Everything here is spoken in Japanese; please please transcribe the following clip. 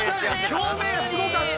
◆共鳴がすごかった。